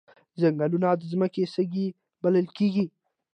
ځنګلونه د ځمکې سږي بلل کیږي